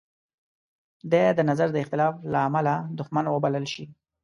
دی د نظر د اختلاف لامله دوښمن وبلل شي.